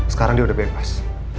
sekarang dia udah bebas